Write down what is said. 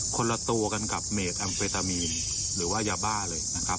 คนละตัวกันกับเมดแอมเฟตามีนหรือว่ายาบ้าเลยนะครับ